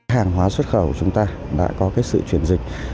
hàng hóa xuất khẩu của chúng ta đã có sự chuyển dịch